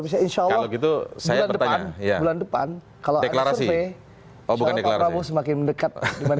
bisa insya allah itu saya bertanya ya depan kalau deklarasi oh bukan deklarasi semakin mendekat